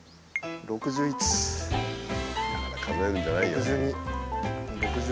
だから数えるんじゃないよ。